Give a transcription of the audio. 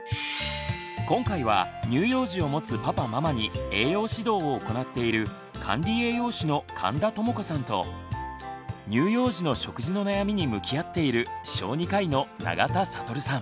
今回は乳幼児を持つパパママに栄養指導を行っている管理栄養士の神田智子さんと乳幼児の食事の悩みに向き合っている小児科医の永田智さん。